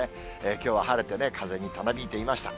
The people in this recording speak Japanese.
きょうは晴れてね、風にたなびいていました。